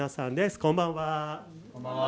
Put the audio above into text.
こんばんは。